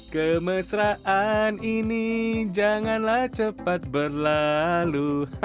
kemesraan ini janganlah cepat berlalu